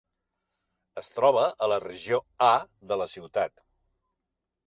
Es troba a la regió A de la ciutat.